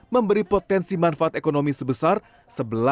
memberi potensi manfaat ekonomi sebesar sebelas miliar dolar amerika